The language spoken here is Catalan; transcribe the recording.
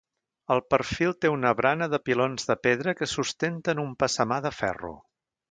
El perfil té una barana de pilons de pedra que sustenten un passamà de ferro.